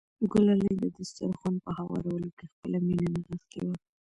ګلالۍ د دسترخوان په هوارولو کې خپله مینه نغښتې وه.